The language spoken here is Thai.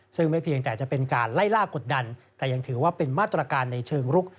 ซึ่งไม่เพียงแต่รายล่ากดดันแต่ยังถือว่าเป็นมาตรการในเชิงลุก